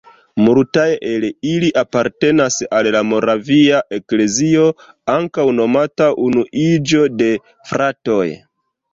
Multaj el ili apartenas al la "Moravia Eklezio", ankaŭ nomata Unuiĝo de fratoj.